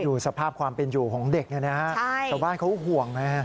ดูสภาพความเป็นอยู่ของเด็กเนี่ยนะฮะชาวบ้านเขาห่วงนะฮะ